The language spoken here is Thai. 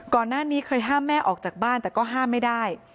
ก่อนหน้านี้เคยห้ามแม่ออกจากบ้านแต่ก็ห้ามไม่ได้